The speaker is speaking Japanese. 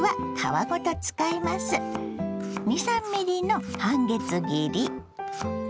２３ｍｍの半月切り。